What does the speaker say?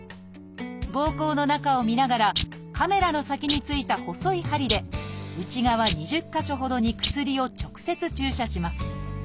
ぼうこうの中を見ながらカメラの先についた細い針で内側２０か所ほどに薬を直接注射します。